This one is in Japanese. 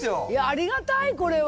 ありがたいこれは。